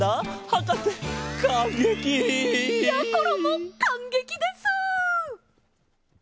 やころもかんげきです！